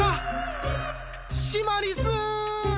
シマリスー！